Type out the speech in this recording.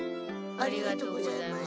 ありがとうございます。